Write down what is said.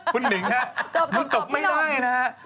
คุณนิงครับคุณจบไม่ได้นะครับ